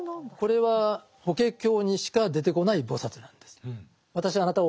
これは「法華経」にしか出てこない菩薩なんです。